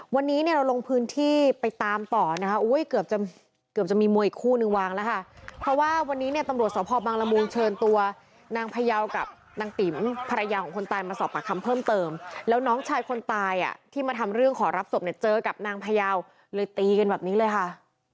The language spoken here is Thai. วันนี้เนี่ยเราลงพื้นที่ไปตามต่อนะคะอุ้ยเกือบจะเกือบจะมีมวยอีกคู่นึงวางแล้วค่ะเพราะว่าวันนี้เนี่ยตำรวจสพบังละมุงเชิญตัวนางพยาวกับนางติ๋มภรรยาของคนตายมาสอบปากคำเพิ่มเติมแล้วน้องชายคนตายอ่ะที่มาทำเรื่องขอรับศพเนี่ยเจอกับนางพยาวเลยตีกันแบบนี้เลยค่ะ